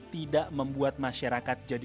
tidak membuat masyarakat jadi